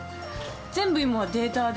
全部今はデータで。